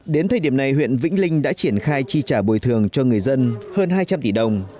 đến thời điểm này huyện vĩnh linh đã triển khai chi trả bồi thường cho người dân hơn hai trăm linh tỷ đồng